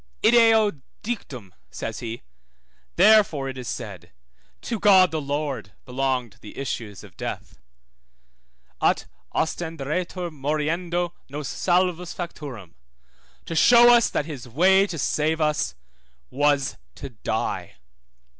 Ideo dictum, says he, therefore it is said, to God the Lord belonged the issues of death; ut ostenderetur moriendo nos salvos facturum, to show that his way to save us was to die.